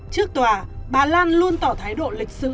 trước tòa bà lan luôn tỏ thái độ lịch sử